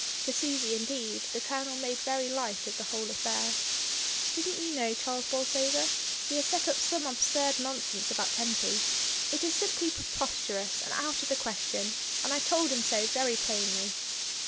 To Susy, indeed, the Colonel made very light of the whole affair. "Didn't you know Charles Bolsover? He has set up some absurd nonsense about Tempy. It is simply preposterous, and out of the question, and I told him so very plainly."